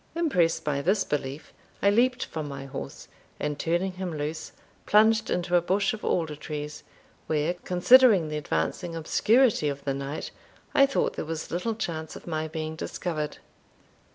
Impressed by this belief, I leaped from my horse, and turning him loose, plunged into a bush of alder trees, where, considering the advancing obscurity of the night, I thought there was little chance of my being discovered.